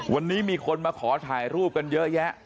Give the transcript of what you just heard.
วันนี้มีคนมาขอถ่ายรูปกันเยอะแยะ